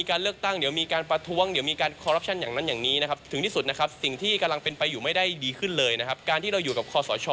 การที่เราอยู่กับคอสชนะครับวันนี้ประเทศไทยไม่ได้ดีขึ้นนะครับ